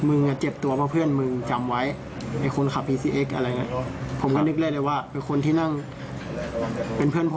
เออนี่ซวยเพราะเพื่อน